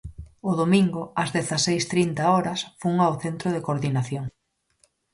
O domingo ás dezaseis trinta horas fun ao Centro de coordinación.